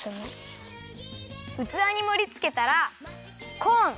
うつわにもりつけたらコーン。